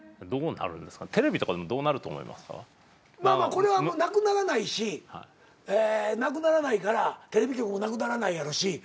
これはなくならないしなくならないからテレビ局もなくならないやろうし。